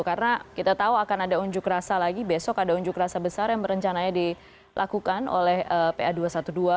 karena kita tahu akan ada unjuk rasa lagi besok ada unjuk rasa besar yang berencananya dilakukan oleh pa dua ratus dua belas